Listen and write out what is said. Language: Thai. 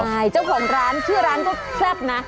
ใช่เจ้าของร้านชื่อร้านก็แซ่บนะ